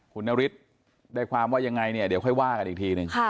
คุณนฤทธิ์ได้ความว่ายังไงเนี่ยเดี๋ยวค่อยว่ากันอีกทีหนึ่ง